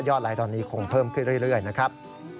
ไลค์ตอนนี้คงเพิ่มขึ้นเรื่อยนะครับ